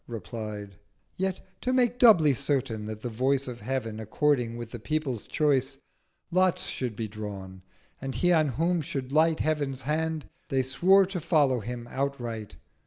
replied: Yet to make doubly certain that the Voice Of Heav'n according with the People's Choice, Lots should be drawn; and He on whom should light Heav'n's Hand—they swore to follow him outright.